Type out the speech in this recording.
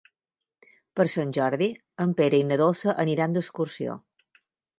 Per Sant Jordi en Pere i na Dolça aniran d'excursió.